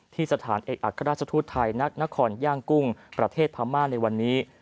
สถานเอกอัครราชทูตไทยนักนครย่างกุ้งประเทศพม่าในวันนี้